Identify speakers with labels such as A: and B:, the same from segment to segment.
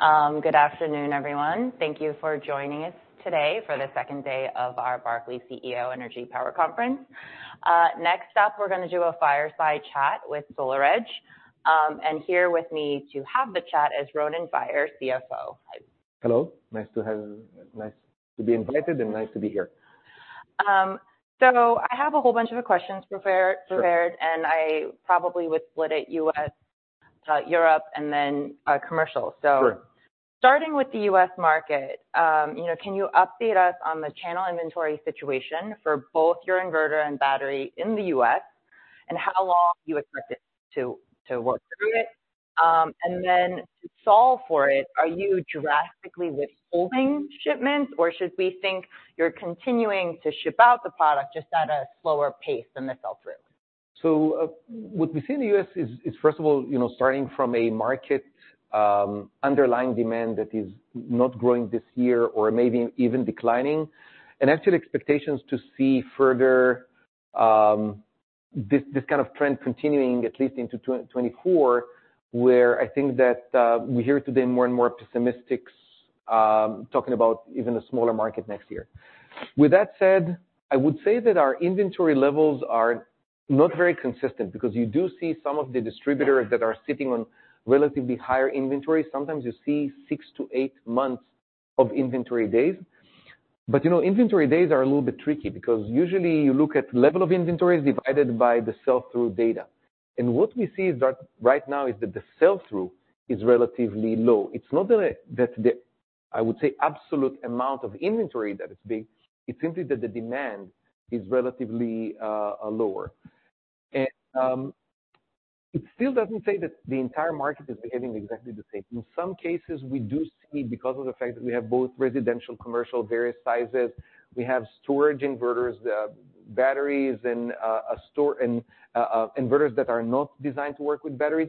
A: Good afternoon, everyone. Thank you for joining us today for the second day of our Barclays CEO Energy-Power Conference. Next up, we're going to do a fireside chat with SolarEdge. Here with me to have the chat is Ronen Faier, CFO.
B: Hello. Nice to be invited, and nice to be here.
A: I have a whole bunch of questions prepared.
B: Sure.
A: And I probably would split it U.S., Europe, and then commercial. So.
B: Sure.
A: Starting with the U.S. market, you know, can you update us on the channel inventory situation for both your inverter and battery in the U.S., and how long you expect it to work through it? And then to solve for it, are you drastically withholding shipments, or should we think you're continuing to ship out the product, just at a slower pace than the sell-through?
B: So, what we see in the U.S. is, is first of all, you know, starting from a market, underlying demand that is not growing this year or maybe even declining. Actually, expectations to see further, this, this kind of trend continuing at least into 2024, where I think that, we hear today more and more pessimists, talking about even a smaller market next year. With that said, I would say that our inventory levels are not very consistent, because you do see some of the distributors that are sitting on relatively higher inventory. Sometimes you see six to eight months of inventory days. But, you know, inventory days are a little bit tricky, because usually you look at level of inventories divided by the sell-through data. And what we see is that right now is that the sell-through is relatively low. It's not that the absolute amount of inventory that is big, it's simply that the demand is relatively lower. And it still doesn't say that the entire market is behaving exactly the same. In some cases, we do see, because of the fact that we have both residential, commercial, various sizes, we have storage inverters, batteries, and storage, and inverters that are not designed to work with batteries.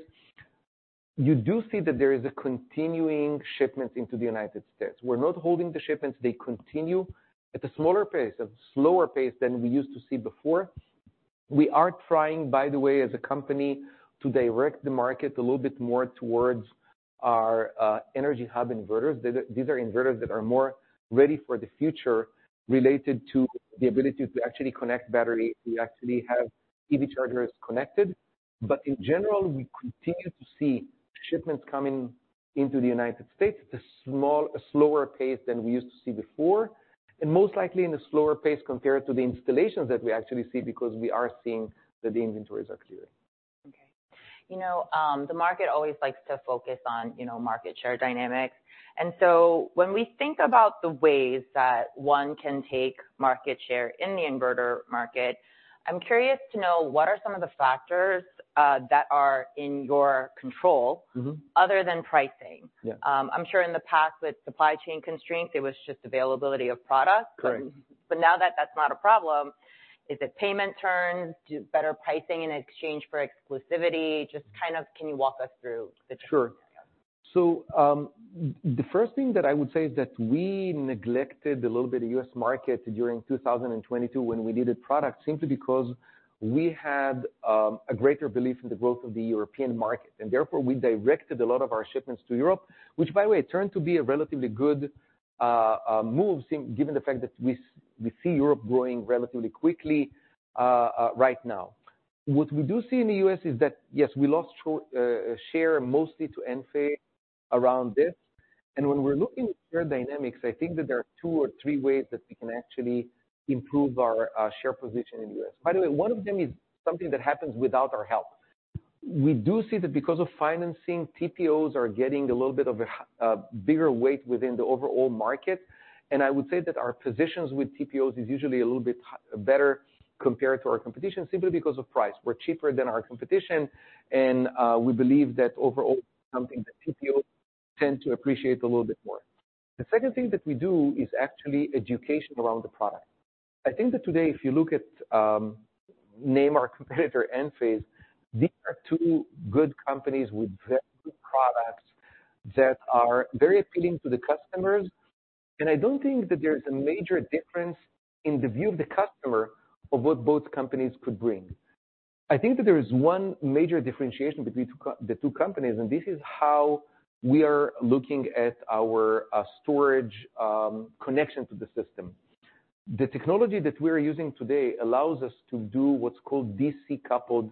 B: You do see that there is a continuing shipment into the United States. We're not holding the shipments, they continue at a smaller pace, a slower pace than we used to see before. We are trying, by the way, as a company, to direct the market a little bit more towards our Energy Hub Inverters. These are, these are inverters that are more ready for the future, related to the ability to actually connect battery. We actually have EV chargers connected, but in general, we continue to see shipments coming into the United States at a small, a slower pace than we used to see before, and most likely in a slower pace compared to the installations that we actually see, because we are seeing that the inventories are clearing.
A: Okay. You know, the market always likes to focus on, you know, market share dynamics. And so when we think about the ways that one can take market share in the inverter market, I'm curious to know, what are some of the factors that are in your control?
B: Mm-hmm.
A: Other than pricing?
B: Yeah.
A: I'm sure in the past with supply chain constraints, it was just availability of product.
B: Correct.
A: But now that that's not a problem, is it payment terms? Do better pricing in exchange for exclusivity? Just kind of, can you walk us through the.
B: Sure. So, the first thing that I would say is that we neglected a little bit of U.S. market during 2022 when we needed product, simply because we had a greater belief in the growth of the European market. And therefore, we directed a lot of our shipments to Europe, which, by the way, turned out to be a relatively good move, given the fact that we see Europe growing relatively quickly right now. What we do see in the U.S. is that, yes, we lost share, mostly to Enphase around this. And when we're looking at share dynamics, I think that there are two or three ways that we can actually improve our share position in the U.S. By the way, one of them is something that happens without our help. We do see that because of financing, TPOs are getting a little bit of a bigger weight within the overall market. And I would say that our positions with TPOs is usually a little bit better compared to our competition, simply because of price. We're cheaper than our competition, and we believe that overall, something that TPOs tend to appreciate a little bit more. The second thing that we do is actually education around the product. I think that today, if you look at, name our competitor, Enphase, these are two good companies with very good products that are very appealing to the customers. And I don't think that there's a major difference in the view of the customer of what both companies could bring. I think that there is one major differentiation between the two companies, and this is how we are looking at our storage connection to the system. The technology that we're using today allows us to do what's called DC-coupled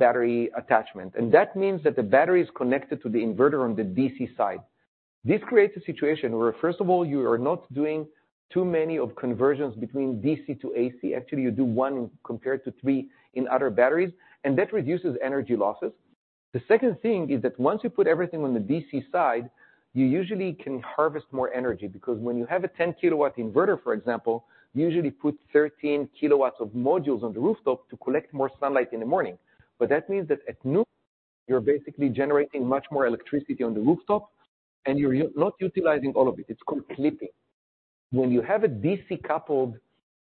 B: battery attachment, and that means that the battery is connected to the inverter on the DC side. This creates a situation where, first of all, you are not doing too many conversions between DC to AC. Actually, you do one compared to three in other batteries, and that reduces energy losses. The second thing is that once you put everything on the DC side, you usually can harvest more energy, because when you have a 10-kW inverter, for example, you usually put 13 kW of modules on the rooftop to collect more sunlight in the morning. But that means that at noon, you're basically generating much more electricity on the rooftop, and you're not utilizing all of it. It's completing. When you have a DC-coupled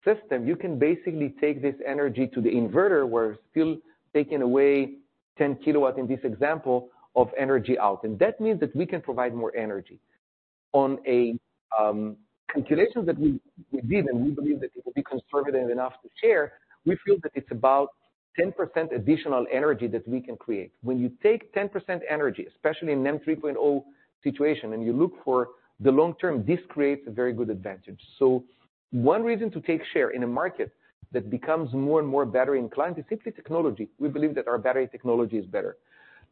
B: system, you can basically take this energy to the inverter, where it's still taking away 10 kW, in this example, of energy out, and that means that we can provide more energy on a calculation that we did, and we believe that it will be conservative enough to share, we feel that it's about 10% additional energy that we can create. When you take 10% energy, especially in NEM 3.0 situation, and you look for the long term, this creates a very good advantage. So one reason to take share in a market that becomes more and more battery inclined is simply technology. We believe that our battery technology is better.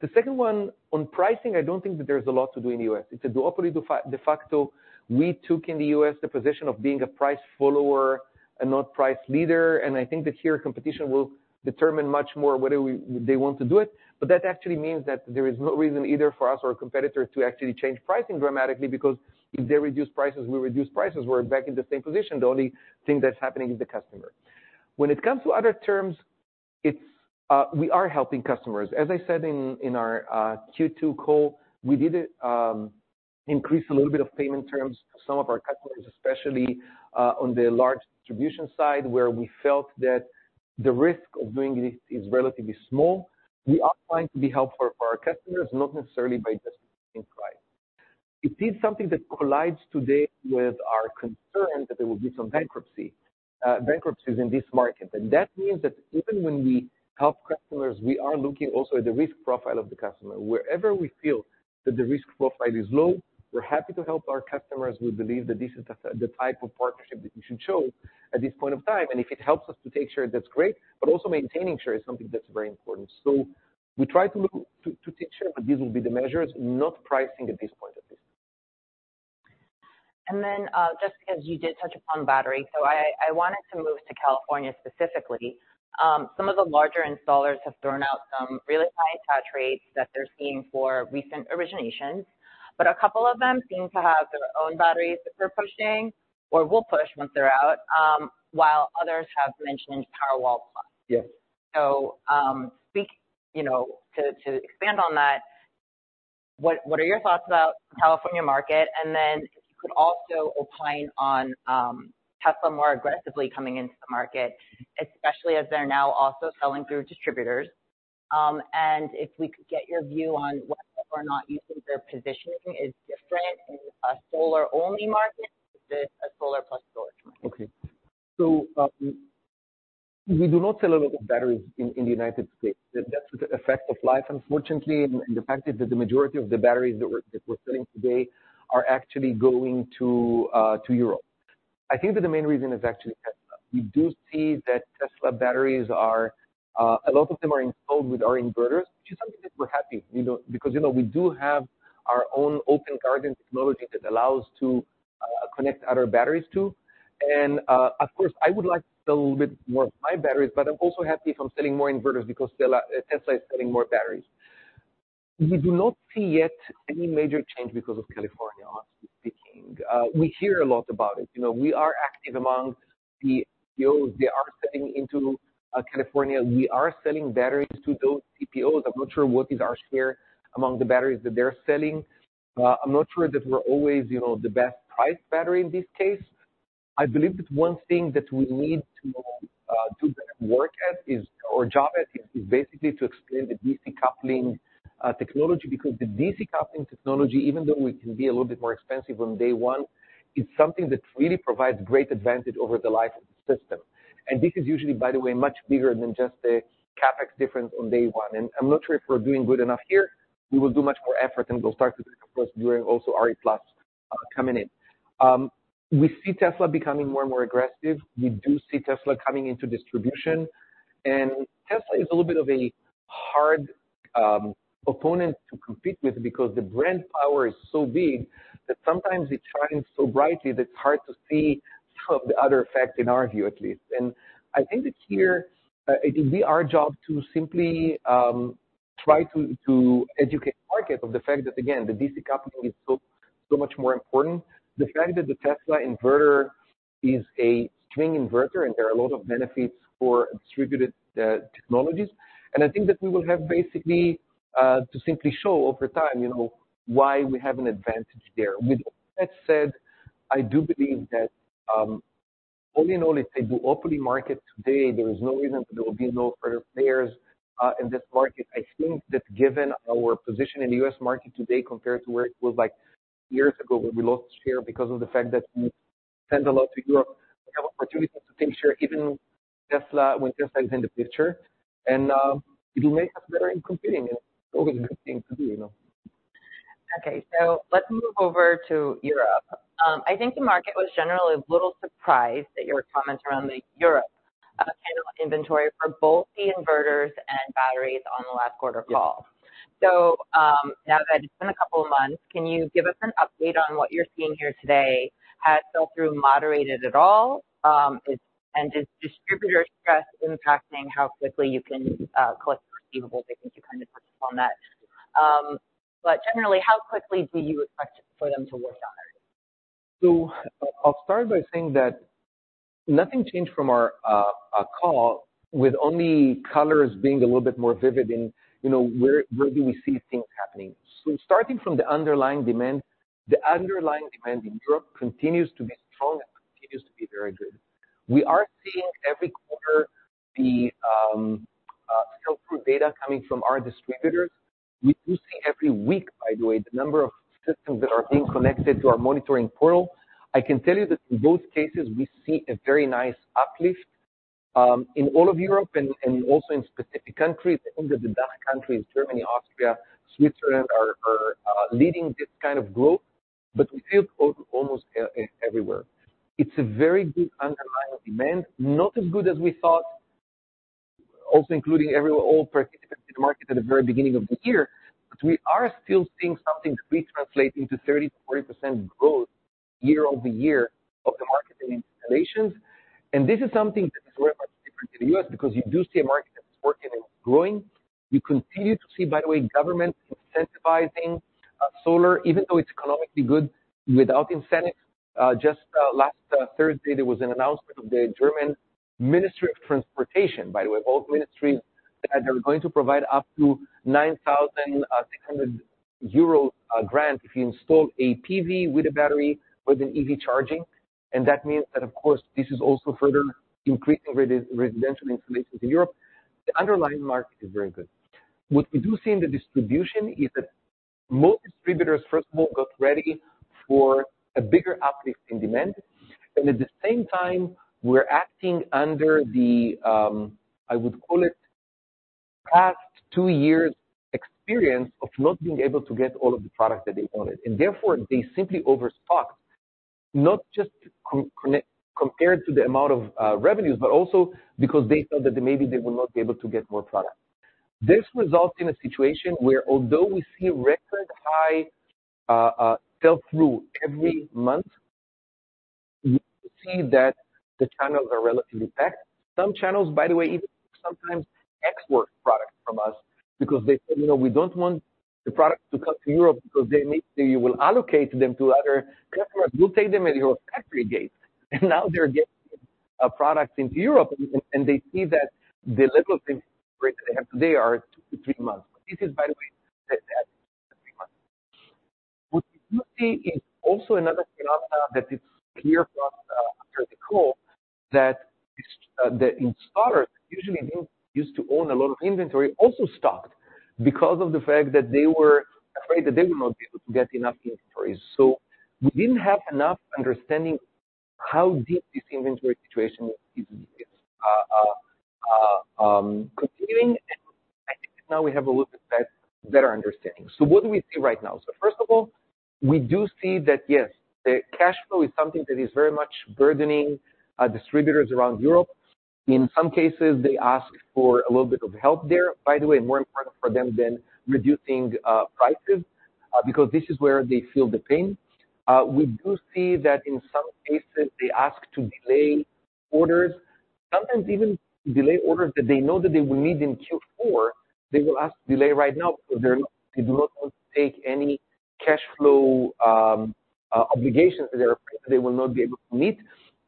B: The second one, on pricing, I don't think that there's a lot to do in the U.S. It's a duopoly de facto. We took in the U.S., the position of being a price follower and not price leader, and I think that here, competition will determine much more whether they want to do it. But that actually means that there is no reason either for us or a competitor to actually change pricing dramatically, because if they reduce prices, we reduce prices, we're back in the same position. The only thing that's happening is the customer. When it comes to other terms, it's we are helping customers. As I said in our Q2 call, we did increase a little bit of payment terms to some of our customers, especially on the large distribution side, where we felt that the risk of doing this is relatively small. We are trying to be helpful for our customers, not necessarily by just reducing price. It is something that collides today with our concern that there will be some bankruptcies in this market. And that means that even when we help customers, we are looking also at the risk profile of the customer. Wherever we feel that the risk profile is low, we're happy to help our customers. We believe that this is the type of partnership that we should show at this point of time, and if it helps us to take share, that's great, but also maintaining share is something that's very important. So we try to look to take share, but these will be the measures, not pricing at this point at least.
A: And then, just because you did touch upon battery, so I, I wanted to move to California specifically. Some of the larger installers have thrown out some really high attach rates that they're seeing for recent originations. But a couple of them seem to have their own batteries that they're pushing or will push once they're out, while others have mentioned Powerwall+.
B: Yes.
A: So, you know, to expand on that, what are your thoughts about the California market? And then if you could also opine on Tesla more aggressively coming into the market, especially as they're now also selling through distributors. And if we could get your view on whether or not you think their positioning is different in a solar-only market versus a solar-plus-storage market.
B: Okay. So, we do not sell a lot of batteries in the United States. That's the effect of life, unfortunately, and the fact is that the majority of the batteries that we're selling today are actually going to Europe. I think that the main reason is actually Tesla. We do see that Tesla batteries are a lot of them are installed with our inverters, which is something that we're happy. You know, because, you know, we do have our own open garden technology that allows to connect other batteries, too. And, of course, I would like to sell a little bit more of my batteries, but I'm also happy if I'm selling more inverters because Tesla, Tesla is selling more batteries. We do not see yet any major change because of California, honestly speaking. We hear a lot about it. You know, we are active among the TPOs. They are selling into California. We are selling batteries to those TPOs. I'm not sure what is our share among the batteries that they're selling. I'm not sure that we're always, you know, the best priced battery in this case. I believe that one thing that we need to work at is basically to explain the DC coupling technology, because the DC coupling technology, even though it can be a little bit more expensive on day one, it's something that really provides great advantage over the life of the system. And this is usually, by the way, much bigger than just the CapEx difference on day one. And I'm not sure if we're doing good enough here. We will do much more effort, and we'll start to, of course, during also RE+, coming in. We see Tesla becoming more and more aggressive. We do see Tesla coming into distribution, and Tesla is a little bit of a hard opponent to compete with, because the brand power is so big, that sometimes it shines so brightly that it's hard to see some of the other effects, in our view at least. And I think it's here, it will be our job to simply try to educate the market of the fact that, again, the DC coupling is so, so much more important. The fact that the Tesla inverter is a string inverter, and there are a lot of benefits for distributed technologies. I think that we will have basically to simply show over time, you know, why we have an advantage there. With that said, I do believe that, all in all, it's a duopoly market today. There is no reason that there will be no fair players in this market. I think that given our position in the U.S. market today compared to where it was like years ago, where we lost share because of the fact that we sent a lot to Europe, we have opportunities to take share even Tesla, with Tesla is in the picture, and it will make us better in competing. It's always a good thing to do, you know?
A: Okay, so let's move over to Europe. I think the market was generally a little surprised at your comments around the European channel inventory for both the inverters and batteries on the last quarter call.
B: Yes.
A: Now that it's been a couple of months, can you give us an update on what you're seeing here today? Has sell-through moderated at all? Is distributor stress impacting how quickly you can collect receivables? I think you kind of touched on that. But generally, how quickly do you expect for them to work on it?
B: So I'll start by saying that nothing changed from our our call, with only colors being a little bit more vivid in, you know, where where do we see things happening. So starting from the underlying demand, the underlying demand in Europe continues to be strong and continues to be very good. We are seeing every quarter the improved data coming from our distributors. We do see every week, by the way, the number of systems that are being connected to our monitoring portal. I can tell you that in both cases, we see a very nice uplift in all of Europe and also in specific countries. I think that the DACH countries, Germany, Austria, Switzerland are leading this kind of growth, but we see it almost everywhere. It's a very good underlying demand, not as good as we thought, also including every, all participants in the market at the very beginning of the year. We are still seeing something which translates into 30%-40% growth year-over-year of the market in installations. This is something that is very much different to the U.S. because you do see a market that is working and growing. You continue to see, by the way, government incentivizing solar, even though it's economically good without incentives. Just last Thursday, there was an announcement of the German Ministry of Transportation, by the way, both ministries, that they're going to provide up to 9,600 euros grant if you install a PV with a battery with an EV charging. That means that, of course, this is also further increasing residential installations in Europe. The underlying market is very good. What we do see in the distribution is that most distributors, first of all, got ready for a bigger uplift in demand. And at the same time, we're acting under the, I would call it, past two years' experience of not being able to get all of the products that they wanted, and therefore they simply overstocked, not just compared to the amount of revenues, but also because they felt that maybe they will not be able to get more product. This results in a situation where although we see record high sell-through every month, we see that the channels are relatively packed. Some channels, by the way, even sometimes export products from us because they say, "You know, we don't want the product to come to Europe because they may, you will allocate them to other customers. We'll take them at your factory gate." And now they're getting products into Europe, and they see that the level of inventory they have today are two to three months. This is, by the way, that three months. What we do see is also another phenomenon that is clear from after the call, that the installers usually they used to own a lot of inventory, also stocked because of the fact that they were afraid that they would not be able to get enough inventories. So we didn't have enough understanding how deep this inventory situation is, continuing, and I think now we have a little bit better understanding. So what do we see right now? So first of all, we do see that, yes, the cash flow is something that is very much burdening distributors around Europe. In some cases, they ask for a little bit of help there, by the way, more important for them than reducing prices, because this is where they feel the pain. We do see that in some cases, they ask to delay orders, sometimes even delay orders that they know that they will need in Q4. They will ask to delay right now because they do not want to take any cash flow obligations that they're afraid that they will not be able to meet.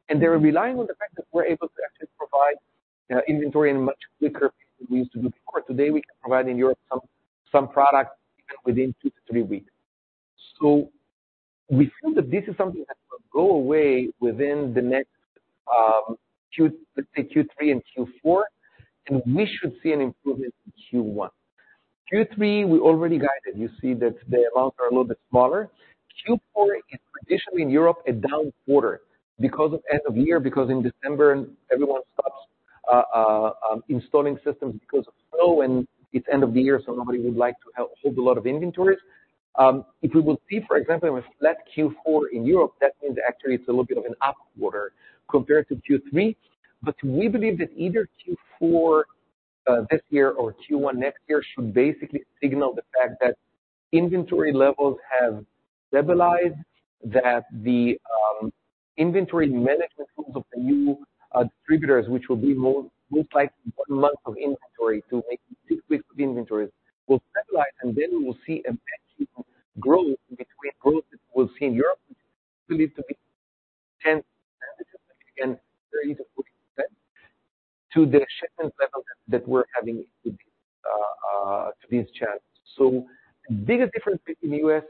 B: And they're relying on the fact that we're able to actually provide inventory in a much quicker pace than we used to do before. Today, we can provide in Europe some products even within two to three weeks. So we feel that this is something that will go away within the next, let's say, Q3 and Q4, and we should see an improvement in Q1. Q3, we already guided. You see that the amounts are a little bit smaller. Q4 is traditionally in Europe, a down quarter because of end of year, because in December, everyone stops installing systems because of snow, and it's end of the year, so nobody would like to hold a lot of inventories. If we will see, for example, a flat Q4 in Europe, that means actually it's a little bit of an up quarter compared to Q3. But we believe that either Q4 this year or Q1 next year should basically signal the fact that inventory levels have stabilized, that the inventory management tools of the new distributors, which will be more most likely one month of inventory to make six weeks of inventories, will stabilize, and then we will see a gradual growth between growth that we'll see in Europe, we believe to be, 30%-40% to the shipment level that we're having to these channels. So the biggest difference between the U.S.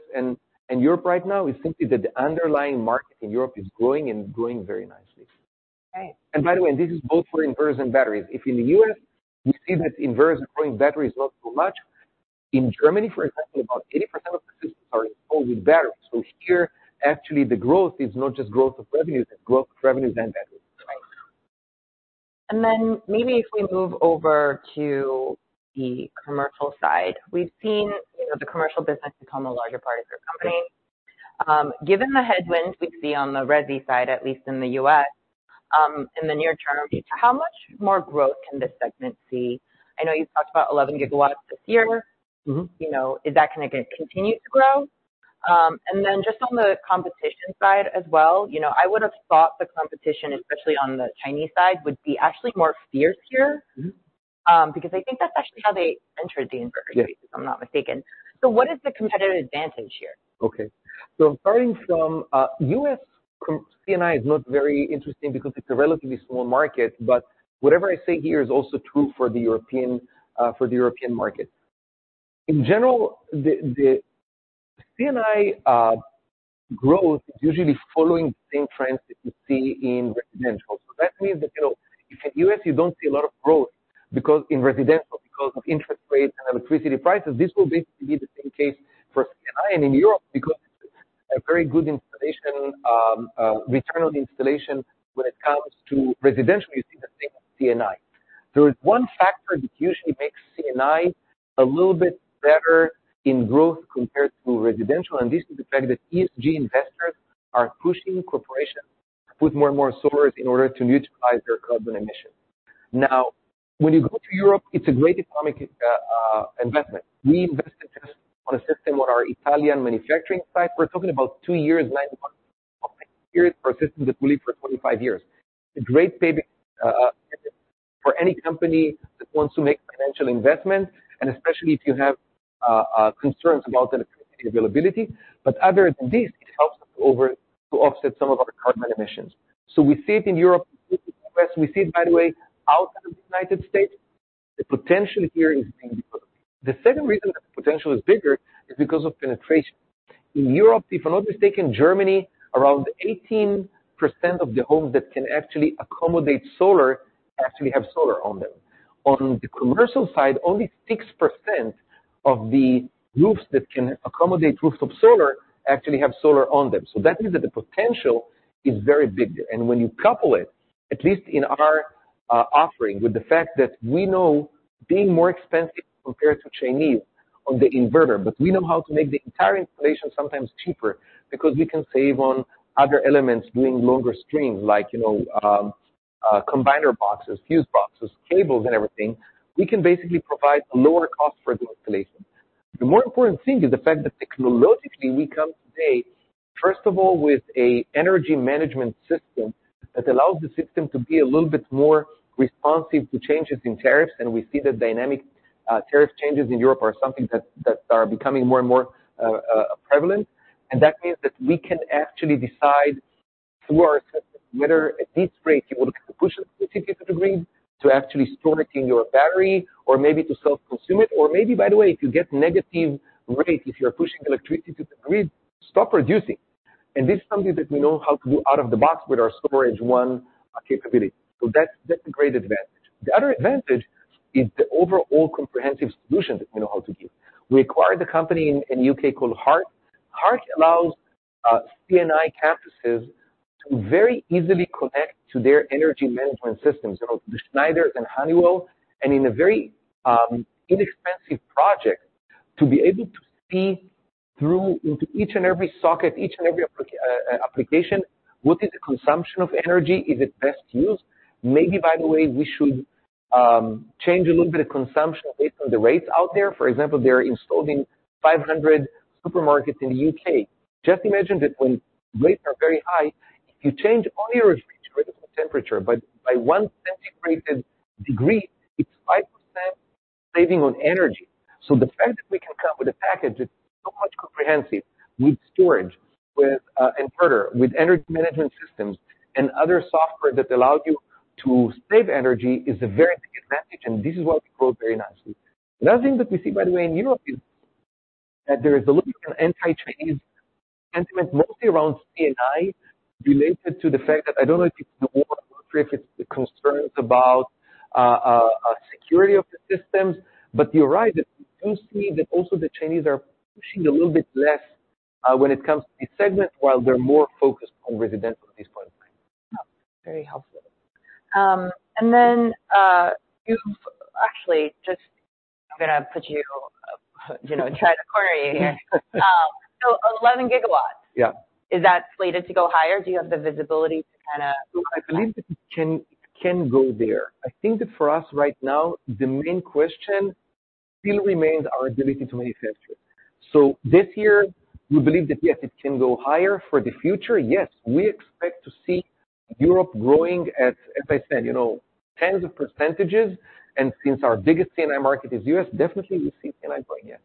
B: and Europe right now is simply that the underlying market in Europe is growing and growing very nicely. And by the way, this is both for inverters and batteries. If in the U.S., you see that inverters are growing, batteries not so much. In Germany, for example, about 80% of the systems are installed with batteries. So here, actually, the growth is not just growth of revenues, it's growth of revenues and batteries.
A: And then maybe if we move over to the commercial side. We've seen, you know, the commercial business become a larger part of your company. Given the headwinds we see on the resi side, at least in the U.S., in the near term, how much more growth can this segment see? I know you've talked about 11 GW this year.
B: Mm-hmm.
A: You know, is that gonna get continue to grow? And then just on the competition side as well, you know, I would have thought the competition, especially on the Chinese side, would be actually more fierce here.
B: Mm-hmm.
A: Because I think that's actually how they entered the inverter space.
B: Yeah.
A: If I'm not mistaken. So what is the competitive advantage here?
B: Okay. So starting from, U.S. C&I is not very interesting because it's a relatively small market, but whatever I say here is also true for the European, for the European market. In general, the C&I growth is usually following the same trends that you see in residential. So that means that, you know, if in U.S. you don't see a lot of growth, because in residential, because of interest rates and electricity prices, this will basically be the same case for C&I and in Europe, because a very good installation, return on the installation when it comes to residential, you see the same C&I. There is one factor that usually makes C&I a little bit better in growth compared to residential, and this is the fact that ESG investors are pushing corporations to put more and more solar in order to neutralize their carbon emissions. Now, when you go to Europe, it's a great economic investment. We invested just on a system on our Italian manufacturing site. We're talking about two years payback period for a system that will live for 25 years. A great payback for any company that wants to make financial investment, and especially if you have concerns about the availability. But other than this, it helps us over to offset some of our carbon emissions. So we see it in Europe, we see it, by the way, outside of the United States. The potential here is being good. The second reason that the potential is bigger is because of penetration. In Europe, if I'm not mistaken, Germany, around 18% of the homes that can actually accommodate solar, actually have solar on them. On the commercial side, only 6% of the roofs that can accommodate roofs of solar actually have solar on them. So that means that the potential is very big there. And when you couple it, at least in our offering, with the fact that we know being more expensive compared to Chinese on the inverter, but we know how to make the entire installation sometimes cheaper, because we can save on other elements doing longer strings, like, you know, combiner boxes, fuse boxes, cables and everything. We can basically provide a lower cost for the installation. The more important thing is the fact that technologically, we come today, first of all, with an energy management system that allows the system to be a little bit more responsive to changes in tariffs, and we see that dynamic tariff changes in Europe are something that are becoming more and more prevalent. That means that we can actually decide through our system, whether at this rate, you want to push the specific degree to actually store it in your battery, or maybe to self-consume it, or maybe, by the way, if you get negative rate, if you're pushing electricity to the grid, stop producing. This is something that we know how to do out of the box with our SolarEdge ONE capability. That's a great advantage. The other advantage is the overall comprehensive solution that we know how to give. We acquired a company in U.K. called Hark. Hark allows C&I campuses to very easily connect to their energy management systems, you know, the Schneider and Honeywell, and in a very inexpensive project, to be able to see through into each and every socket, each and every application. What is the consumption of energy? Is it best used? Maybe, by the way, we should change a little bit of consumption based on the rates out there. For example, they are installing 500 supermarkets in the U.K. Just imagine that when rates are very high, if you change only your refrigerator temperature, but by one centigrade degree, it's 5% saving on energy. So the fact that we can come with a package that's so much comprehensive, with storage, with inverter, with energy management systems and other software that allows you to save energy, is a very big advantage, and this is why we grow very nicely. Another thing that we see, by the way, in Europe, is that there is a little anti-Chinese sentiment, mostly around C&I, related to the fact that I don't know if it's the war, or if it's the concerns about security of the systems, but you're right, that we do see that also the Chinese are pushing a little bit less when it comes to this segment, while they're more focused on residential at this point in time.
A: Very helpful. And then, actually, just gonna put you, you know, inside the corner here. So 11 GW?
B: Yeah.
A: Is that slated to go higher? Do you have the visibility to kinda.
B: I believe it can, it can go there. I think that for us, right now, the main question still remains our ability to manufacture. So this year, we believe that, yes, it can go higher. For the future, yes, we expect to see Europe growing, as, as I said, you know, tens of percentages, and since our biggest C&I market is U.S., definitely we see C&I growing, yeah.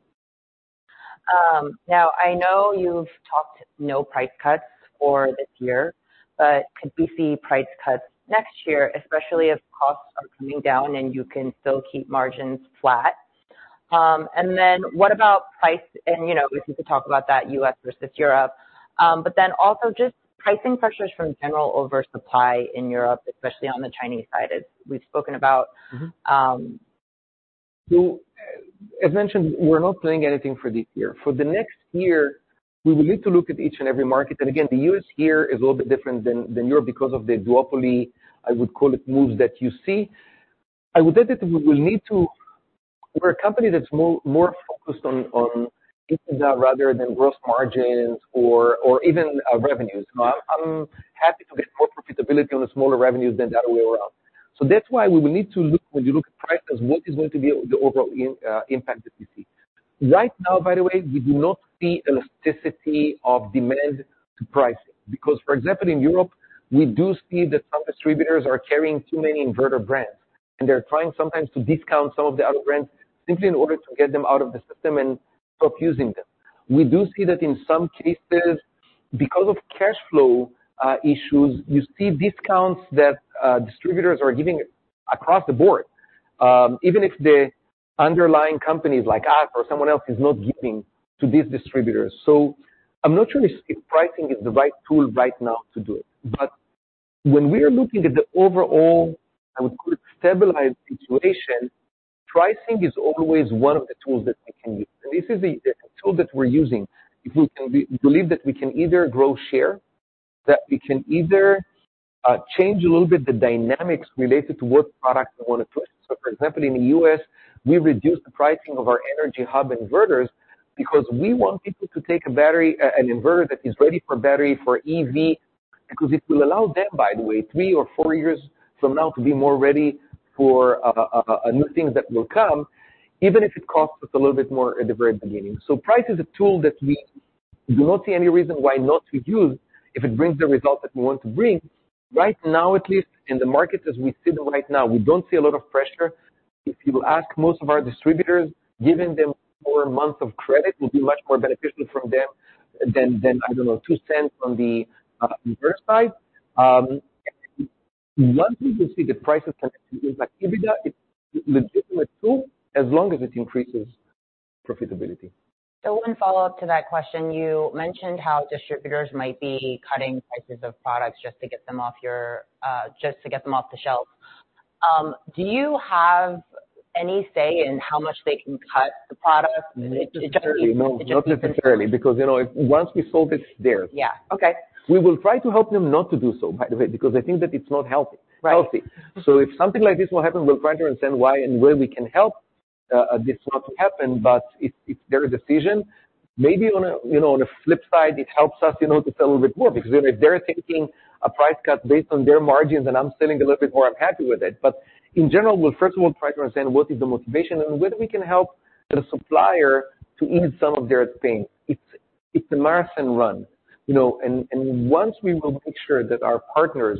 A: Now, I know you've talked no price cuts for this year, but could we see price cuts next year, especially if costs are coming down and you can still keep margins flat? And then what about price? And, you know, if you could talk about that U.S. versus Europe. But then also just pricing pressures from general oversupply in Europe, especially on the Chinese side, as we've spoken about.
B: Mm-hmm.
A: Um.
B: So as mentioned, we're not playing anything for this year. For the next year, we will need to look at each and every market. And again, the U.S. here is a little bit different than Europe because of the duopoly, I would call it, moves that you see. I would say that we will need to. We're a company that's more focused on rather than gross margins or even revenues. You know, I'm happy to get more profitability on the smaller revenues than the other way around. So that's why we will need to look, when you look at prices, what is going to be the overall impact that we see. Right now, by the way, we do not see elasticity of demand to pricing, because, for example, in Europe, we do see that some distributors are carrying too many inverter brands, and they're trying sometimes to discount some of the other brands simply in order to get them out of the system and stop using them. We do see that in some cases, because of cash flow issues, you see discounts that distributors are giving across the board. Even if the underlying companies like us or someone else is not giving to these distributors. So I'm not sure if pricing is the right tool right now to do it. But when we are looking at the overall, I would call it, stabilized situation, pricing is always one of the tools that we can use, and this is a tool that we're using. If we can believe that we can either grow share, that we can either change a little bit the dynamics related to what product we want to push. So, for example, in the U.S., we reduced the pricing of our Energy Hub Inverters because we want people to take a battery, an inverter that is ready for battery, for EV, because it will allow them, by the way, three or four years from now, to be more ready for a new thing that will come, even if it costs us a little bit more at the very beginning. So price is a tool that we do not see any reason why not to use, if it brings the result that we want to bring. Right now, at least in the markets as we see them right now, we don't see a lot of pressure. If you ask most of our distributors, giving them more months of credit will be much more beneficial from them than I don't know, two cents on the inverter side. Once we can see the prices connect to like EBITDA, it's a legitimate tool as long as it increases profitability.
A: One follow-up to that question, you mentioned how distributors might be cutting prices of products just to get them off your, just to get them off the shelves. Do you have any say in how much they can cut the product?
B: Not necessarily. No, not necessarily, because, you know, if once we sold it, it's theirs.
A: Yeah. Okay.
B: We will try to help them not to do so, by the way, because I think that it's not healthy.
A: Right.
B: Healthy. So if something like this will happen, we'll try to understand why and where we can help this not to happen. But it's their decision. Maybe, you know, on a flip side, it helps us, you know, to sell a little bit more, because if they're taking a price cut based on their margins and I'm selling a little bit more, I'm happy with it. But in general, we'll first of all try to understand what is the motivation and whether we can help the supplier to ease some of their pain. It's a marathon run, you know, and once we will make sure that our partners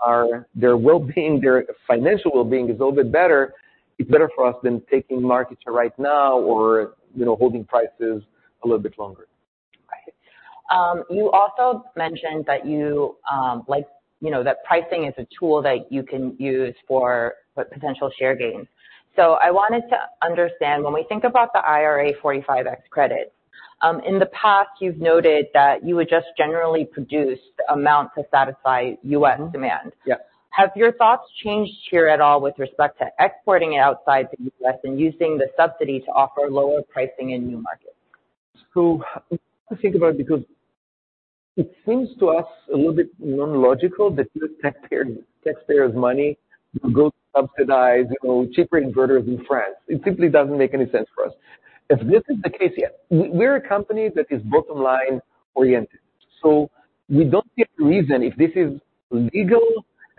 B: are—their wellbeing, their financial wellbeing is a little bit better, it's better for us than taking market share right now or, you know, holding prices a little bit longer.
A: Right. You also mentioned that you, like, you know, that pricing is a tool that you can use for potential share gains. So I wanted to understand, when we think about the IRA 45X credit, in the past, you've noted that you would just generally produce the amount to satisfy U.S. demand.
B: Yeah.
A: Have your thoughts changed here at all with respect to exporting outside the U.S. and using the subsidy to offer lower pricing in new markets?
B: So I think about it, because it seems to us a little bit non-logical that use taxpayer, taxpayers' money to go subsidize, you know, cheaper inverters in France. It simply doesn't make any sense for us. If this is the case, yeah, we're a company that is bottom line oriented, so we don't see a reason, if this is legal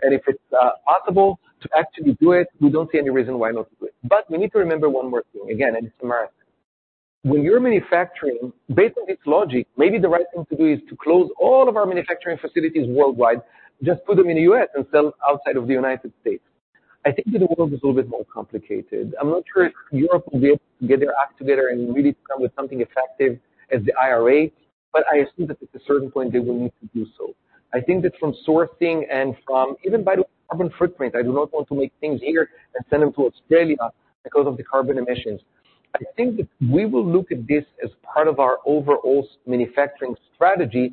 B: and if it's possible to actually do it, we don't see any reason why not to do it. But we need to remember one more thing. Again, it's a marathon. When you're manufacturing, based on this logic, maybe the right thing to do is to close all of our manufacturing facilities worldwide, just put them in the U.S. and sell outside of the United States. I think the world is a little bit more complicated. I'm not sure if Europe will be able to get their act together and really come with something effective as the IRA, but I assume that at a certain point they will need to do so. I think that from sourcing and from even by the carbon footprint, I do not want to make things here and send them to Australia because of the carbon emissions. I think that we will look at this as part of our overall manufacturing strategy,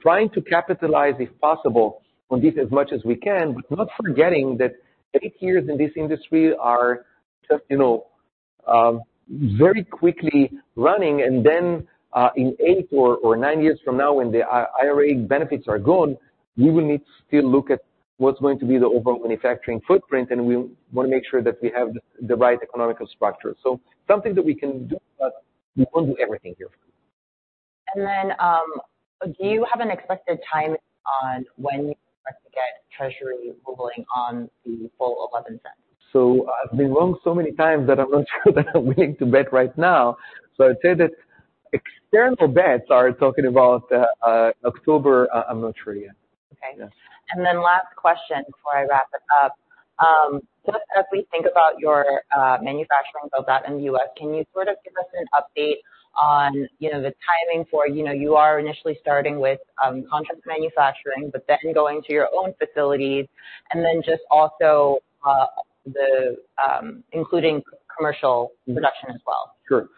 B: trying to capitalize, if possible, on this as much as we can, but not forgetting that eight years in this industry are just, you know, very quickly running. And then in eight or nine years from now, when the IRA benefits are gone, we will need to still look at what's going to be the overall manufacturing footprint, and we want to make sure that we have the right economic structure. So something that we can do, but we won't do everything here.
A: And then, do you have an expected time on when you expect to get Treasury ruling on the full $0.11?
B: So I've been wrong so many times that I'm not sure that I'm willing to bet right now. So I'd say that external bets are talking about October. I'm not sure yet.
A: Okay.
B: Yeah.
A: Last question before I wrap it up. Just as we think about your manufacturing build out in the U.S., can you sort of give us an update on, you know, the timing for, you know, you are initially starting with contract manufacturing, but then going to your own facilities, and then just also including commercial production as well?
B: Sure.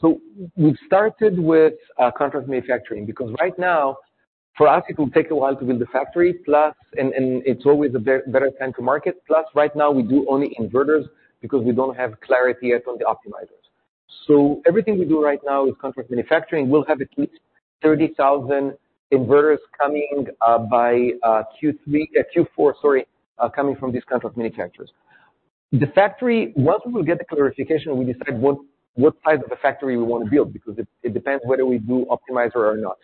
B: So we've started with contract manufacturing, because right now, for us, it will take a while to build the factory, plus, and it's always a better time to market, plus right now we do only inverters because we don't have clarity yet on the optimizers. So everything we do right now is contract manufacturing. We'll have at least 30,000 inverters coming by Q3, Q4, sorry, coming from these contract manufacturers. The factory, once we will get the clarification, we decide what size of the factory we want to build, because it depends whether we do optimizer or not.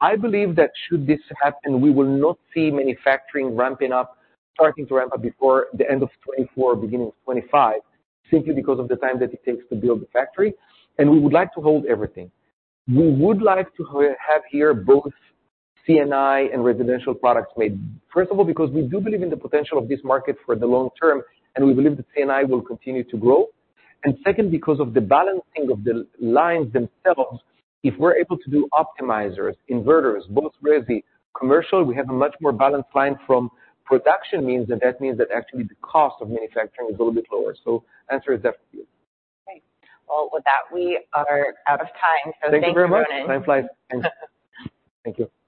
B: I believe that should this happen, we will not see manufacturing ramping up, starting to ramp up before the end of 2024, beginning of 2025, simply because of the time that it takes to build the factory, and we would like to hold everything. We would like to have here both C&I and residential products made. First of all, because we do believe in the potential of this market for the long term, and we believe that C&I will continue to grow. And second, because of the balancing of the lines themselves. If we're able to do optimizers, inverters, both resi, commercial, we have a much more balanced line from production means, and that means that actually the cost of manufacturing is a little bit lower. So answer is definitely yes.
A: Okay. Well, with that, we are out of time. So thank you very much.
B: Thank you very much. Thanks, Blythe. Thank you.